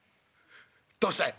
どうしたい」。